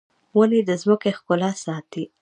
ونې د ځمکې ښکلا ساتي